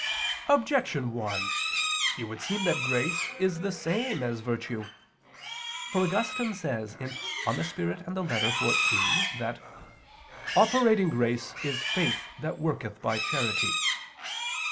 Objection 1: It would seem that grace is the same as virtue. For Augustine says (De Spir. et Lit. xiv) that "operating grace is faith that worketh by charity."